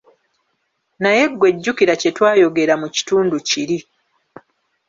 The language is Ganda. Naye ggwe jjukira kye twayogera mu kitundu kiri.